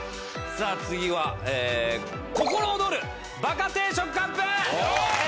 さあ次は心躍るバカ定食ＣＵＰ！